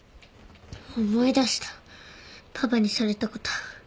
思い出したパパにされたこと。